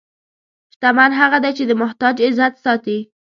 شتمن هغه دی چې د محتاج عزت ساتي.